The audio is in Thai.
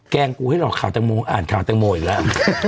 แกล้งกูให้เราข่าวแต่งโมอ่านข่าวแต่งโมออีกแล้ว